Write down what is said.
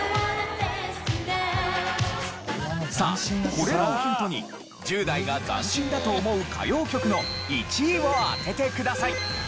さあこれらをヒントに１０代が斬新だと思う歌謡曲の１位を当ててください。